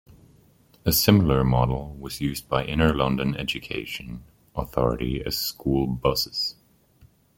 A similar model was used by the Inner London Education Authority as school buses.